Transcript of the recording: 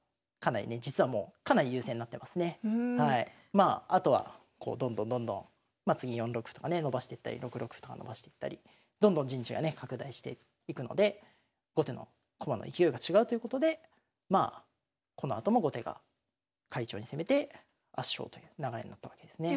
まああとはこうどんどんどんどんまあ次４六歩とかね伸ばしていったり６六歩とか伸ばしていったりどんどん陣地がね拡大していくので後手の駒の勢いが違うということでこのあとも後手が快調に攻めて圧勝という流れになったわけですね。